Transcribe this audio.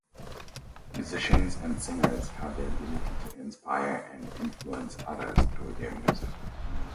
Musicians and singers have the ability to inspire and influence others through their music.